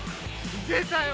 出たよ